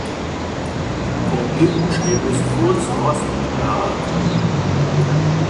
Der Blütenstiel ist kurz rostig behaart.